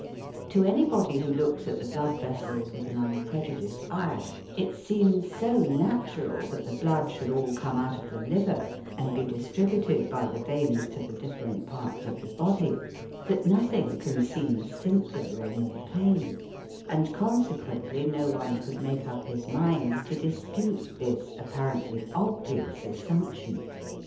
To anybody who looks at the blood vessels with an unprejudiced eye it seems so natural that the blood should all come out of the liver, and be distributed by the veins to the different parts of the body, that nothing can seem simpler or more plain; and consequently no one could make up his mind to dispute this apparently obvious assumption.